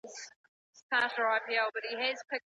د ژوند بریاوي یوازي د لایقو کسانو په برخه نه سي کېدلای.